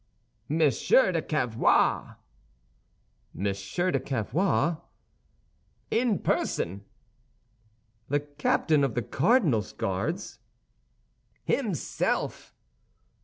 "Monsieur de Cavois." "Monsieur de Cavois?" "In person." "The captain of the cardinal's Guards?" "Himself."